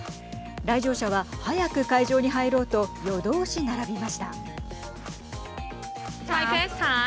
来場者は早く会場に入ろうと夜通し並びました。